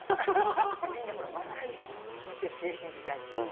みんなほら若いし本当に青春時代。